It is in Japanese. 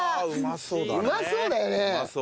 うまそうだよね。